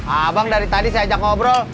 abang dari tadi saya ajak ngobrol